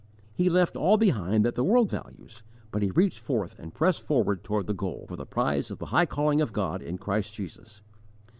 He left all behind that the world values, but he reached forth and pressed forward toward the goal, for the prize of the high calling of God in Christ Jesus.